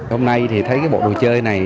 hôm nay thì thấy cái bộ đồ chơi này